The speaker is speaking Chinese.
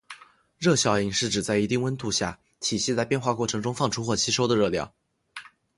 热效应是指在一定温度下，体系在变化过程中放出或吸收的热量。